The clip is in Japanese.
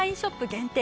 限定